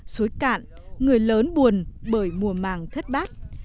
suối cạn người lớn buồn bởi mùa màng thất bát